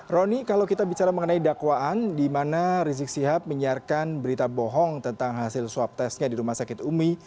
roni kalau kita bicara mengenai dakwaan di mana rizik sihab menyiarkan berita bohong tentang hasil swab testnya di rumah sakit umi